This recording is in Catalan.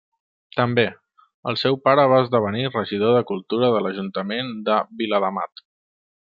També, el seu pare va esdevenir regidor de Cultura de l'ajuntament de Viladamat.